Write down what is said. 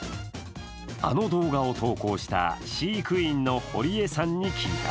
あの動画を投稿した飼育員の堀江さんに聞いた。